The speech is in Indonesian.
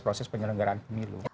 proses penyelenggaraan pemilu